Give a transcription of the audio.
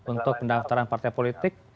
untuk pendaftaran partai politik